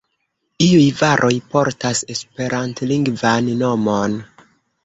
Iuj varoj portas Esperantlingvan nomon.